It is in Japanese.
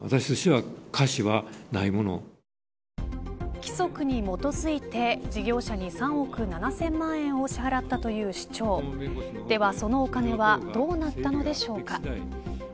規則に基づいて事業者に３億７０００万円を支払ったという主張では、そのお金はどうなったのでしょうか。